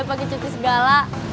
pake cuti segala